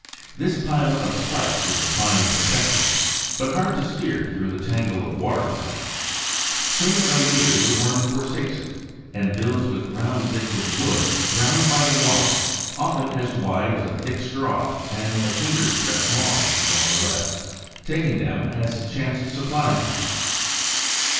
This pile of spikes is a fine protection, but hard to steer through the tangle of water plants. Sooner or later the worm forsakes it, and builds with round bits of wood, browned by the water, often as wide as a thick straw and a finger's breadth long, more or less—taking them as chance supplies them.